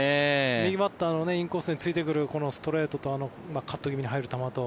右バッターのインコースに突いてくるこのストレートとカット気味に入る球と。